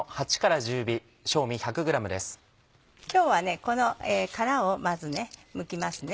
今日はこの殻をまずむきますね。